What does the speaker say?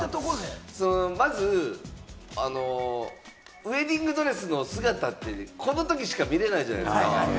まず、ウエディングドレスの姿って、このときしか見れないじゃないですか。